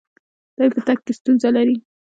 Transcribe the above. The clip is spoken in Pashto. دی په تګ کې ستونزه لري.